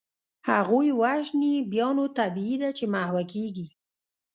هغوی وژني، بیا نو طبیعي ده چي محوه کیږي.